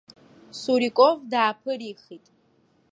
Суриков дааԥырихит.